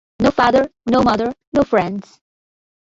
No father, no mother, no friends.